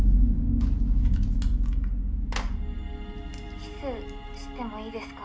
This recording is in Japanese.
キスしてもいいですか？